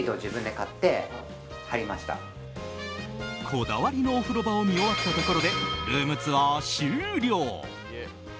こだわりのお風呂場を見終わったところでルームツアー終了。